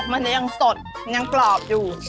มันยังสดยังกรอบอยู่